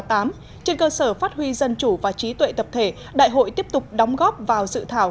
trên cơ sở phát huy dân chủ và trí tuệ tập thể đại hội tiếp tục đóng góp vào dự thảo